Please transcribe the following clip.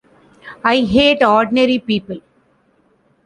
I hate ordinary people!